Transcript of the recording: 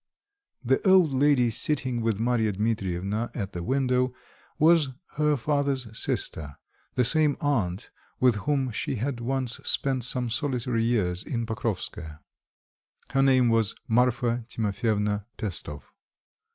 The old lady sitting with Marya Dmitrievna at the window was her father's sister, the same aunt with whom she had once spent some solitary years in Pokrovskoe. Her name was Marfa Timofyevna Pestov.